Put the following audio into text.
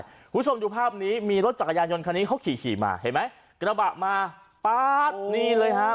คุณผู้ชมดูภาพนี้มีรถจักรยานยนต์คันนี้เขาขี่ขี่มาเห็นไหมกระบะมาป๊าดนี่เลยฮะ